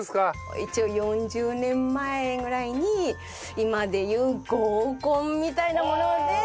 一応４０年前ぐらいに今でいう合コンみたいなもので。